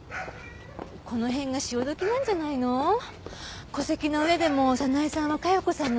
この辺が潮時なんじゃないの？戸籍のうえでも早苗さんは加代子さんの姪。